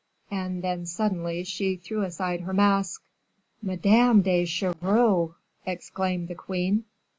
And, then, suddenly she threw aside her mask. "Madame de Chevreuse!" exclaimed the queen.